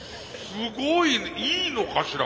すごいねいいのかしら？